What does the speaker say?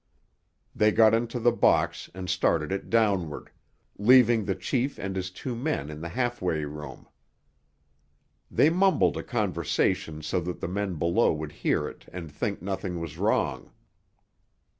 They got into the box and started it downward, leaving the chief and his two men in the halfway room. They mumbled a conversation so that the men below would hear it and think nothing was wrong.